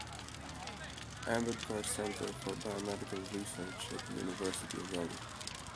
Ambedkar Centre for Biomedical Research at the University of Delhi.